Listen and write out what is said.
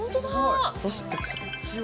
そしてこっちは？